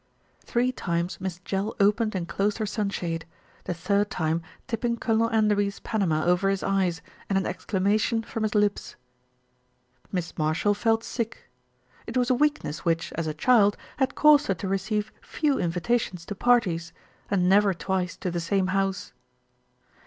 Three times Miss Jell opened and closed her sun shade, the third time tipping Colonel Enderby's Pan ama over his eyes, and an exclamation from his lips. Miss Marshall felt sick. It was a weakness which, as a child, had caused her to receive few invitations to parties, and never twice to the same house.